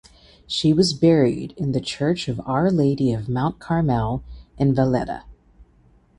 She was buried in the church of Our Lady of Mount Carmel in Valletta.